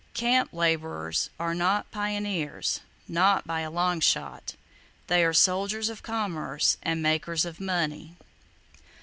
"Camp" laborers are not "pioneers;" not by a long shot! They are soldiers of Commerce, and makers of money.